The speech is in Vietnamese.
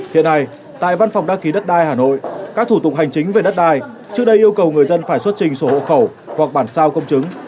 hiện nay tại văn phòng đăng ký đất đai hà nội các thủ tục hành chính về đất đai trước đây yêu cầu người dân phải xuất trình sổ hộ khẩu hoặc bản sao công chứng